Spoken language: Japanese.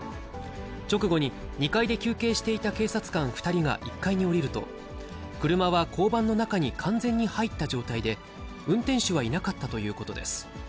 直後に、２階で休憩していた警察官２人が１階に下りると、車は交番の中に完全に入った状態で、運転手はいなかったということです。